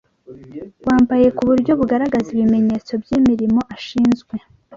wambaye ku buryo bugaragaza ibimenyetso by'imirimo ashinzwe